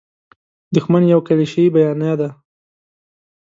دوښمن یوه کلیشیي بیانیه ده.